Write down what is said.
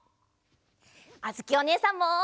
あづきおねえさんも。